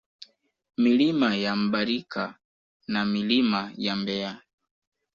Milima ya Mbarika na Milima ya Mbeya